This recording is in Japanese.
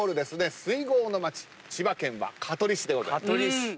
水郷の町千葉県は香取市でございます。